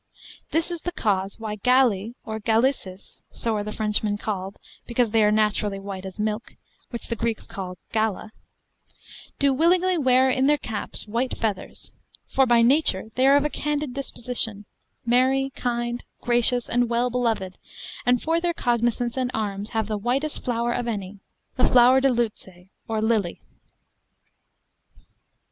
This is the cause why Galli or Gallices (so are the Frenchmen called, because they are naturally white as milk, which the Greeks call Gala,) do willingly wear in their caps white feathers, for by nature they are of a candid disposition, merry, kind, gracious, and well beloved, and for their cognizance and arms have the whitest flower of any, the Flower de luce or Lily.